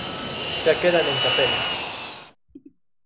Xa quedan en capela.